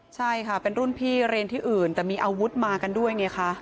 ใช่ค่ะเป็นรุ่นพี่เรียนที่อื่นแต่มีอาวุธมากันด้วยไงคะ